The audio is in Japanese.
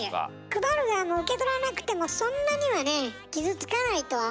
配る側も受け取らなくてもそんなにはね傷つかないとは思うんだけどね。